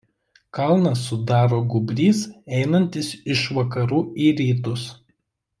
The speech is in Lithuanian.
Kalną sudaro gūbrys einantis iš vakarų į rytus.